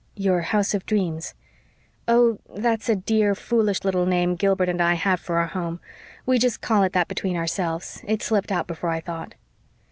"Your house of dreams?" "Oh, that's a dear, foolish little name Gilbert and I have for our home. We just call it that between ourselves. It slipped out before I thought."